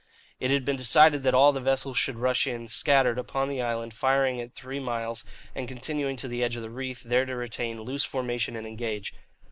"It had been decided that all the vessels should rush in, scattered, upon the island, opening fire at three miles, and continuing to the edge of the reef, there to retain loose formation and engage.